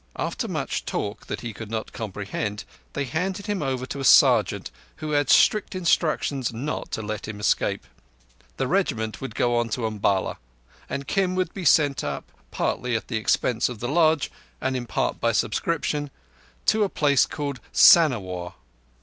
After much talk that he could not comprehend, they handed him over to a sergeant, who had strict instructions not to let him escape. The Regiment would go on to Umballa, and Kim would be sent up, partly at the expense of the Lodge and in part by subscription, to a place called Sanawar.